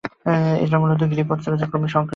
এটা মূলত একটি গিরিপথ ছিল, যা ক্রমেই সংকীর্ণ হয়ে আসছিল।